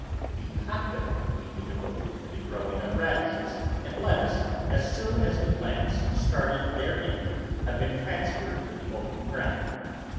The hotbed may be devoted to the growing of radishes and lettuce as soon as the plants started therein have been transferred to the open ground.